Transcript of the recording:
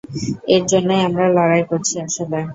এর জন্যই আমরা লড়াই করছি আসলে।